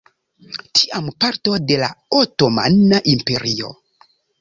Tiam parto de la otomana imperio.